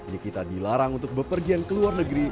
nikita dilarang untuk bepergian ke luar negeri